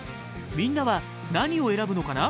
みんなは何を選ぶのかな？